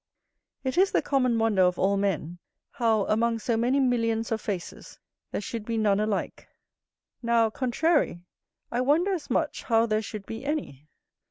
It is the common wonder of all men, how, among so many millions of faces, there should be none alike: now, contrary, I wonder as much how there should be any.